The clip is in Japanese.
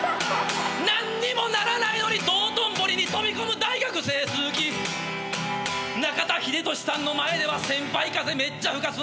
「何にもならないのに道頓堀に飛び込む大学生好き」「中田英寿さんの前では先輩風めっちゃ吹かす」